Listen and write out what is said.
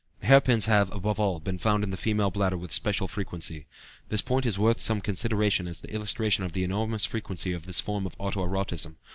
Hair pins have, above all, been found in the female bladder with special frequency; this point is worth some consideration as an illustration of the enormous frequency of this form of auto erotism.